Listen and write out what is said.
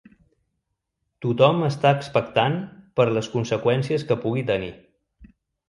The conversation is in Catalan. Tothom està expectant per les conseqüències que pugui tenir.